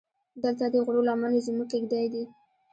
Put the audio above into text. دلته دې د غرو لمنې زموږ کېږدۍ دي.